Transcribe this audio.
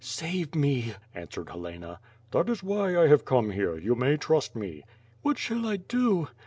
"Save me!" answered Helena. "That is why I have come here. You may trust me." "What shall I do?"